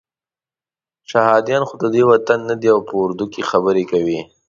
شهادیان خو ددې وطن نه دي او په اردو خبرې کوي.